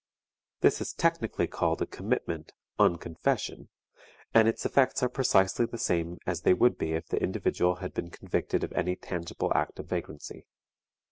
This is technically called a commitment "on confession," and its effects are precisely the same as they would be if the individual had been convicted of any tangible act of vagrancy.